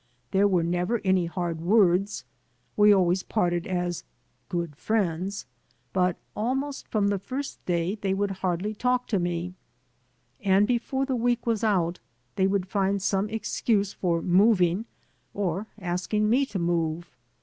There were never any hard words; we always parted as "good friends.'' But almost from the first day they would hardly talk to me, and before the week was out they would find • some excuse for moving or asking me to move.